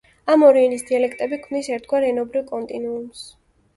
ამ ორი ენის დიალექტები ქმნის ერთგვარ ენობრივ კონტინუუმს.